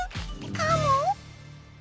かも？